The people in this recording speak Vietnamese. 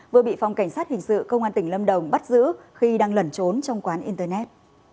vừa bị phòng cảnh sát hình sự công an tỉnh lâm đồng bắt giữ khi đang lẩn trốn trong quán internet